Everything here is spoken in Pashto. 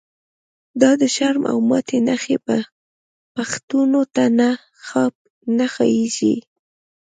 دا د شرم او ماتی نښی، پښتنو ته نه ښا ييږی